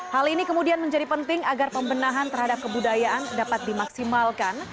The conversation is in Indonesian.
hal ini kemudian menjadi penting agar pembenahan terhadap kebudayaan dapat dimaksimalkan